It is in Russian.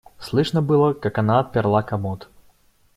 Слышно было, как она отперла комод.